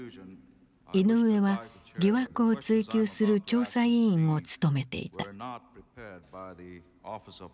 イノウエは疑惑を追及する調査委員を務めていた。